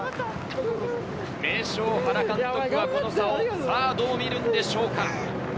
名将・原監督がこの差をどう見るんでしょうか。